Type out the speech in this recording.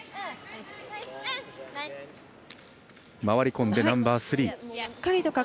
回り込んでナンバースリー。